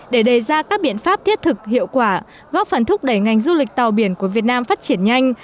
để đề ra các biện pháp thiết thực hiệu quả góp phần thúc đẩy ngành du lịch tàu biển của việt nam phát triển nhanh